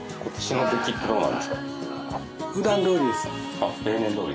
あっ例年どおり。